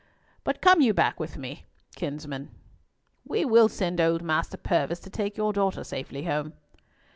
But come you back with me, kinsman. We will send old Master Purvis to take your daughter safely home."